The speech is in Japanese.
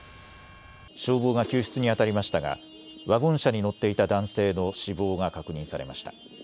消防が救出にあたりましたがワゴン車に乗っていた男性の死亡が確認されました。